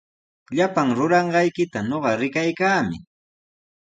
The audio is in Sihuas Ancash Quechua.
Llapan ruranqaykita ñuqa rikaykaami.